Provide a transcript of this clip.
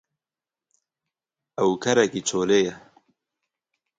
Ew kerekî çolê ye